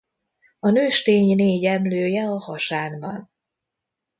A nőstény négy emlője a hasán van.